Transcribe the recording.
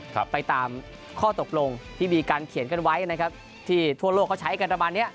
ไปตามข้อตกลงที่มีการเขียนกันไว้นะครับที่ทั่วโลกเขาใช้กันประมาณเนี้ย